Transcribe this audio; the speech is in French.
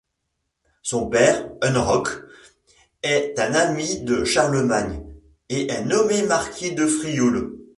Son père, Unroch, est un ami de Charlemagne, et nommé marquis de Frioul.